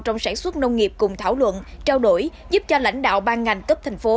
trong sản xuất nông nghiệp cùng thảo luận trao đổi giúp cho lãnh đạo ban ngành cấp thành phố